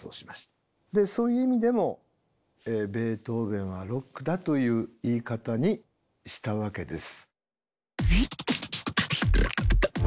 でそういう意味でも「ベートーヴェンはロックだ！」という言い方にしたわけです。